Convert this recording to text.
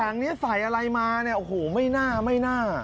ถังนี้ใส่อะไรมาเนี่ยโอ้โหไม่น่า